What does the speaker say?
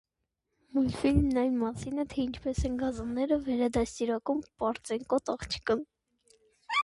Մուլտֆիլմն այն մասին է, թե ինչպես են գազաննները վերադաստիարակում պարծենկոտ աղջկան։